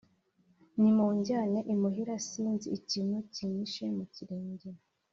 Nimunjyane imuhira, sinzi ikintu kinyishe mu kirenge.